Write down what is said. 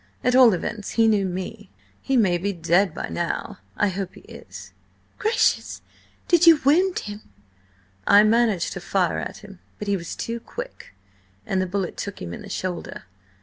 At all events, he knew me. He may be dead by now. I hope he is." "Gracious! Did you wound him?" "I managed to fire at him, but he was too quick, and the bullet took him in the shoulder.